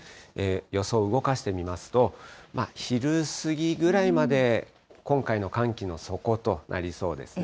予想を動かしてみますと、昼過ぎぐらいまで、今回の寒気の底となりそうですね。